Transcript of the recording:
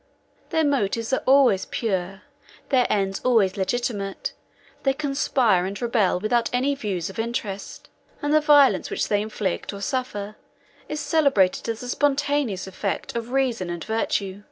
Their motives are always pure; their ends always legitimate: they conspire and rebel without any views of interest; and the violence which they inflict or suffer is celebrated as the spontaneous effect of reason and virtue.